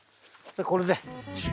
これで。